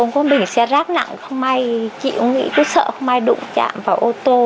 không có bình xe rác nặng không ai chịu sợ không ai đụng chạm vào ô tô